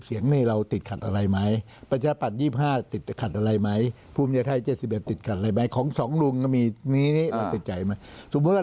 เสียงนี้เราติดขัดอะไรไหมประชาปัน๒๕ติดขัดอะไรไหม